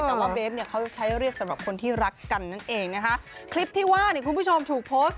แต่ว่าเบสเนี่ยเขาใช้เรียกสำหรับคนที่รักกันนั่นเองนะคะคลิปที่ว่าเนี่ยคุณผู้ชมถูกโพสต์